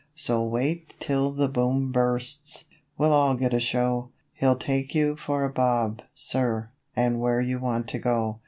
So wait till the Boom bursts! we'll all get a show; He'll 'take you for a bob, sir,' and where you want to go.